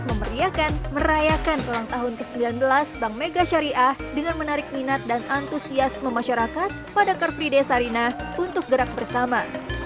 memeriakan merayakan ulang tahun ke sembilan belas bank mega syariah dengan menarik minat dan antusiasme masyarakat pada car free day sarina untuk gerak bersama